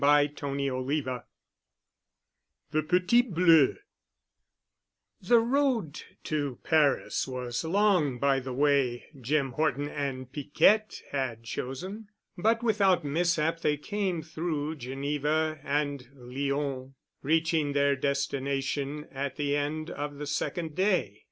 *CHAPTER XXI* *THE PETIT BLEU* The road to Paris was long by the way Jim Horton and Piquette had chosen, but without mishap they came through Geneva and Lyons, reaching their destination at the end of the second day.